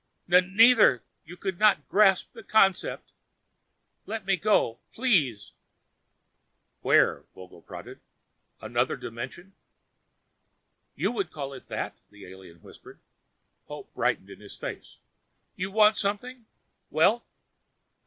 "N neither. You could not grasp the concept. Let me go. Please!" "Where?" Vogel prodded. "Another dimension?" "You would call it that," the alien whispered. Hope brightened his face. "You want something? Wealth?